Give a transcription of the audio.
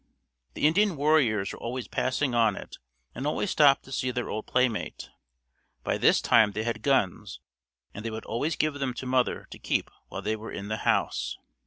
The Indian warriors were always passing on it and always stopped to see their old playmate. By this time they had guns and they would always give them to mother to keep while they were in the house.